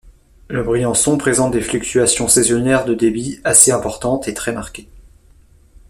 Le Briançon présente des fluctuations saisonnières de débit assez importantes et très marquées.